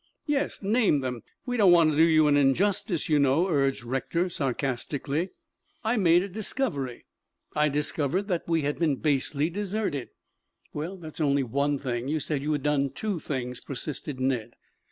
"Yes, name them. We don't want to do you an injustice, you know," urged Rector sarcastically. "I made a discovery I discovered that we had been basely deserted." "Well, that's only one thing. You said you had done two things," persisted Ned.